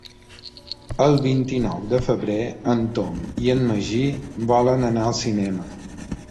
El vint-i-nou de febrer en Tom i en Magí volen anar al cinema.